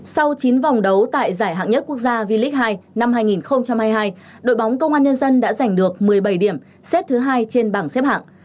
sau chín vòng đấu tại giải hạng nhất quốc gia v leage hai năm hai nghìn hai mươi hai đội bóng công an nhân dân đã giành được một mươi bảy điểm xếp thứ hai trên bảng xếp hạng